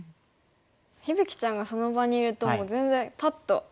響ちゃんがその場にいるともう全然パッと明るくなって。